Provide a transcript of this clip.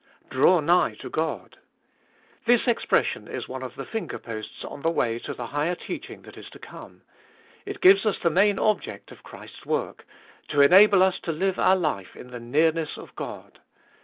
Draw nigh to God ! This expression is one of the finger posts on the way to the higher teaching that is to come. It gives us the main object of Christ's work : to enable us to live our life in the nearness of God.